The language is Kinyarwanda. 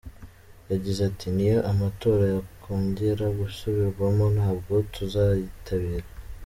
Yagize ati “N’iyo amatora yakongera gusubirwamo ntabwo tuzayitabira.